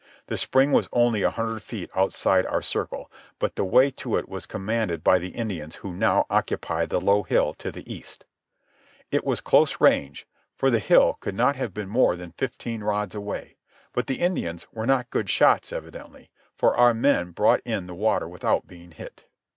The spring was only a hundred feet outside our circle, but the way to it was commanded by the Indians who now occupied the low hill to the east. It was close range, for the hill could not have been more than fifteen rods away. But the Indians were not good shots, evidently, for our men brought in the water without being hit.